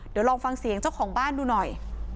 เดี๋ยวลองฟังเสียงเจ้าของบ้านดูหน่อย